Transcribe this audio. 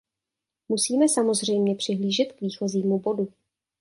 Musíme samozřejmě přihlížet k výchozímu bodu.